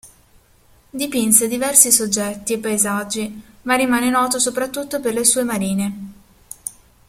Dipinse diversi soggetti e paesaggi, ma rimane noto soprattutto per le sue marine.